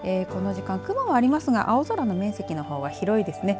この時間、雲はありますが青空の面積の方が広いですね。